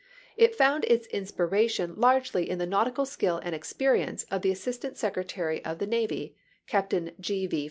It found its inspiration largely in the nautical skill and experience of the Assistant Secretary of the Navy, Captain G. V.